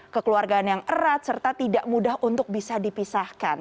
kekeluargaan yang erat serta tidak mudah untuk bisa dipisahkan